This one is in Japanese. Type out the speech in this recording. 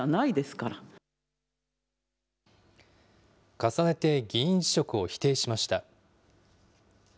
重ねて議員辞職を否定しました。